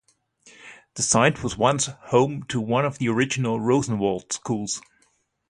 The site was once home to one of the original Rosenwald Schools.